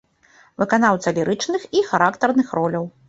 Выканаўца лірычных і характарных роляў.